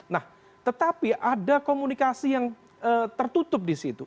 nah tetapi ada komunikasi yang tertutup disitu